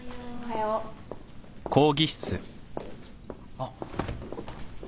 あっ。